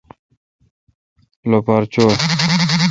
لوپار چوں